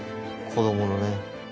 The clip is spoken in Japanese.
子どものね。